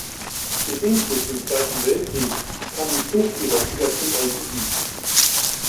Bedingt durch den Zweiten Weltkrieg kam die Zucht jedoch wieder zum Erliegen.